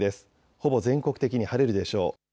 ほぼ全国的に晴れるでしょう。